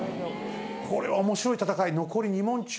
これは面白い戦い残り２問中１問。